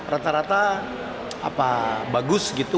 rata rata bagus gitu